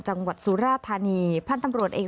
จังหวัดสุราธานีพันธุ์ตำรวจเอก